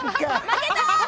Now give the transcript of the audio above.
負けた！